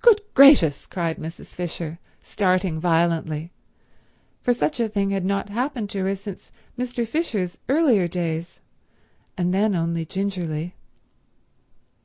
"Good gracious!" cried Mrs. Fisher, starting violently, for such a thing had not happened to her since Mr. Fisher's earlier days, and then only gingerly.